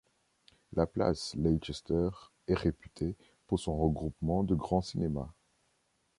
La place Leicester est réputée pour son regroupement de grands cinémas.